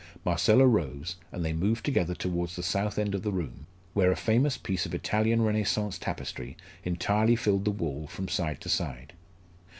Marcella rose, and they moved together towards the south end of the room where a famous piece of Italian Renaissance tapestry entirely filled the wall from side to side.